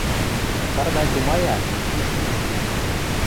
Сардай тумая, изиш йӱкшӹ лин.